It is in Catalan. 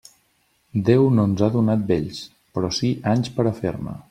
Déu no ens ha donat vells, però sí anys per a fer-ne.